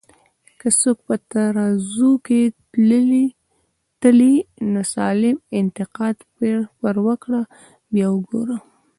که څوک په ترازو کی تلې، نو سالم انتقاد پر وکړه بیا وګوره